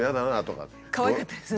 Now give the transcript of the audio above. かわいかったですね。